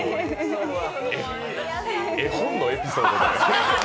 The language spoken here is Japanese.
絵本のエピソードですよ。